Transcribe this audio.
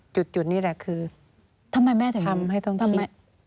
จุดนี่แหละก็คือทำให้ต้องคิด